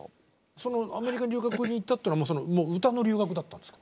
そのアメリカに留学に行ったというのは歌の留学だったんですか？